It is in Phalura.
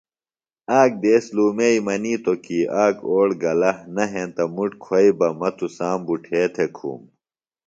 آک دیس لُومئی منِیتوۡ کی آک اوڑ گلہ نہ ہنتہ مُٹ کُھویئی بہ مہ تُسام بُٹھے تھےۡ کُھوم۔